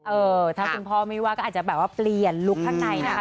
เออถ้าคุณพ่อไม่ว่าก็อาจจะแบบว่าเปลี่ยนลุคข้างในนะคะ